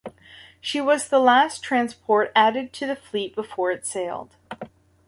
She was the last transport added to the Fleet before it sailed.